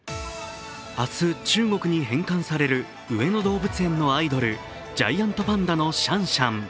明日中国に返還される上野動物園のアイドル、ジャイアントパンダのシャンシャン。